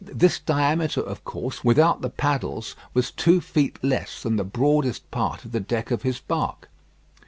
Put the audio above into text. This diameter, of course, without the paddles, was two feet less than the broadest part of the deck of his bark.